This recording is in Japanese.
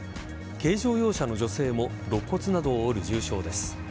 軽乗用車の女性も肋骨などを折る重傷です。